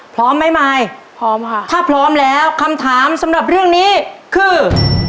พร้อมไหมมายพร้อมค่ะถ้าพร้อมแล้วคำถามสำหรับเรื่องนี้คือ